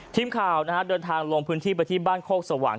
ทีมข่าวเดินทางลงพื้นที่ไปที่บ้านโคกสว่าง